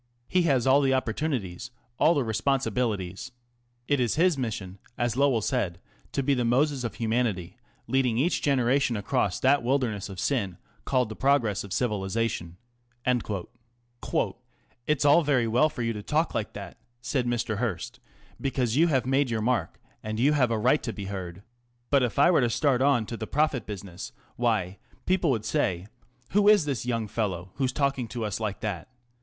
He has all the opportunities, all the responsibili ties. It is his mission, as Lowell said, to be the Moses of Humanity, lead , ing each genera tion across that wilderness of sin called the Pro gress of Civilisa tion." " It's all very well for you to talk like that," said Mr. Hearst, Hearst {2) AS EGOIST. Character Sketch. 333 Inquirer.} Bryan's Nemesis. " because you have made your mark and you have a right to be heard. But if I were to start on to the prophet business, why, people would say, ' Who is this young fellow who's talking to us like that